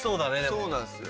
そうなんですよ。